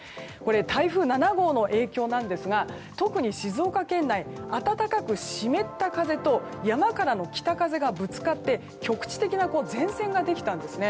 台風７号の影響なんですが特に静岡県内、暖かく湿った風と山からの北風がぶつかって局地的な前線ができたんですね。